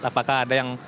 apakah ada yang